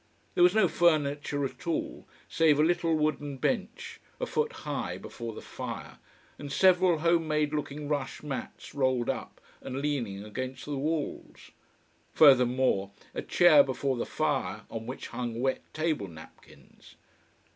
There was no furniture at all, save a little wooden bench, a foot high, before the fire, and several home made looking rush mats rolled up and leaning against the walls. Furthermore a chair before the fire on which hung wet table napkins.